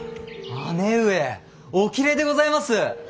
姉上おきれいでございます。